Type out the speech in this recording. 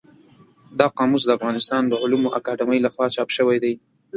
دا قاموس د افغانستان د علومو اکاډمۍ له خوا چاپ شوی دی.